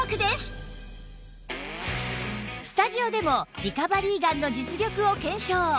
さあスタジオでもリカバリーガンの実力を検証